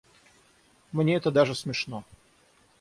Мне это даже смешно.